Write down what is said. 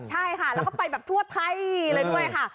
ใช่ค่ะแล้วก็ไปแบบทั่วไทยเลยด้วยค่ะ